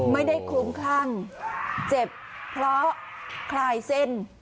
ไม่ได้คุ้มข้างเจ็บเพราะคลายเส้น